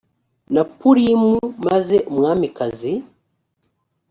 na purimu maze umwamikazi